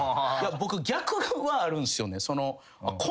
僕逆はあるんすよね。